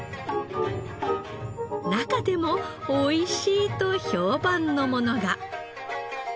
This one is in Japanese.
中でも美味しいと評判のものが。